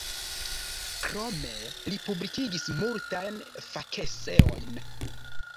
Krome li publikigis multajn fakeseojn.